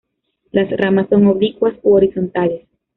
Las ramas son oblicuas u horizontales.